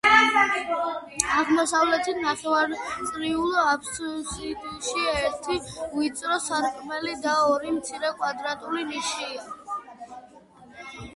აღმოსავლით ნახევარწრიულ აფსიდში ერთი ვიწრო სარკმელი და ორი მცირე კვადრატული ნიშია.